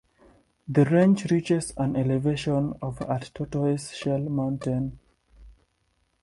The range reaches an elevation of at Tortoise Shell Mountain.